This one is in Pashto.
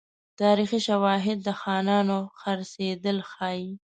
تاریخي شواهد د خانانو خرڅېدل ښيي.